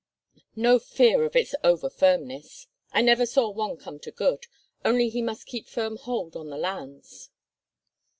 No fear of its over firmness. I never saw one come to good; only he must keep firm hold on the lands."